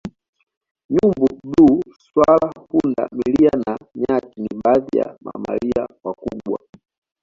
Nyumbu bluu swala punda milia na nyati ni baadhi ya mamalia wakubwa